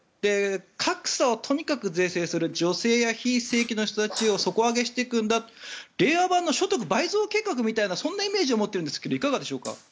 格差をとにかく是正する女性や非正規の人たちを底上げしていくんだ令和版の所得倍増計画みたいなイメージを持っているんですがいかがでしょうか？